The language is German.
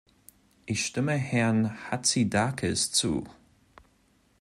Ich stimme Herrn Hatzidakis zu.